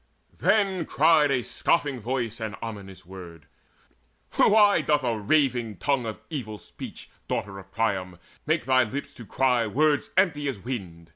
Then cried a scoffing voice an ominous word: "Why doth a raving tongue of evil speech, Daughter of Priam, make thy lips to cry Words empty as wind?